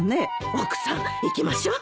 奥さん行きましょう。